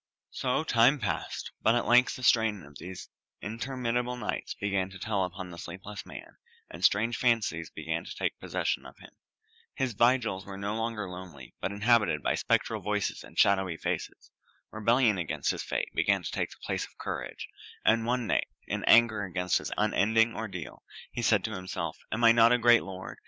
So time passed; but at length the strain of those interminable nights began to tell upon the sleepless man, and strange fancies began to take possession of him. His vigils were no longer lonely, but inhabited by spectral voices and shadowy faces. Rebellion against his fate began to take the place of courage; and one night, in anger against his unending ordeal, he said to himself: "Am I not a great lord?